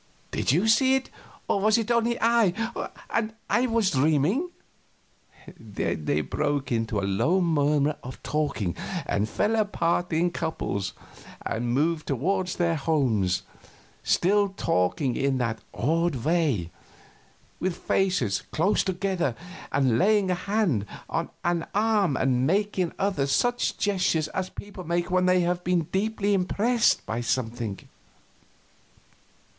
Did you see it, or was it only I and I was dreaming?" Then they broke into a low murmur of talking, and fell apart in couples, and moved toward their homes, still talking in that awed way, with faces close together and laying a hand on an arm and making other such gestures as people make when they have been deeply impressed by something.